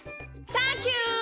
サンキュー！